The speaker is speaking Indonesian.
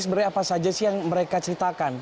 sebenarnya apa saja sih yang mereka ceritakan